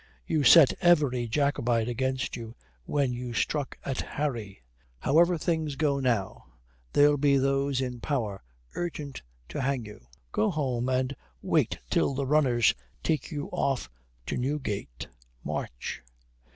You set every Jacobite against you when you struck at Harry. However things go now there'll be those in power urgent to hang you. Go home and wait till the runners take you off to Newgate. March!"